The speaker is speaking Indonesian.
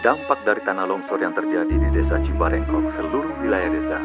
dampak dari tanah longsor yang terjadi di desa cibarengkok seluruh wilayah desa